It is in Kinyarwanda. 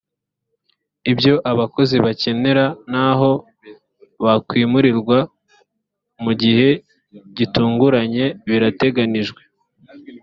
ibyo abakozi bakenera naho bakwimurirwa mu gihe gitunguranye birateganijwe